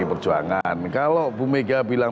perjuangan kalau bumega bilang